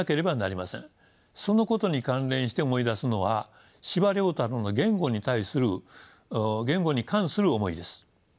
そのことに関連して思い出すのは司馬太郎の言語に関する思いです。